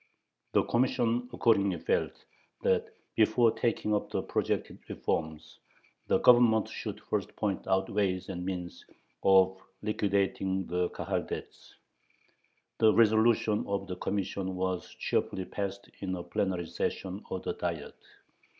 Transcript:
The Commission accordingly felt that, before taking up the projected reforms, the Government should first point out ways and means of liquidating the Kahal debts. The resolution of the Commission was cheerfully passed in a plenary session of the Diet.